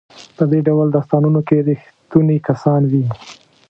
په دې ډول داستانونو کې ریښتوني کسان وي.